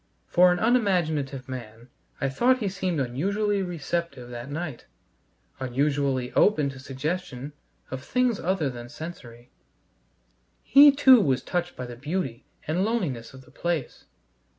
For an unimaginative man I thought he seemed unusually receptive that night, unusually open to suggestion of things other than sensory. He too was touched by the beauty and loneliness of the place.